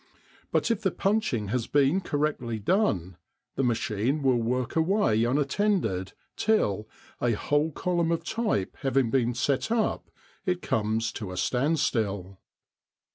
But if the punching has been correctly done, the machine will work away unattended till, a whole column of type having been set up, it comes to a standstill.